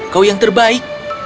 kau yang terbaik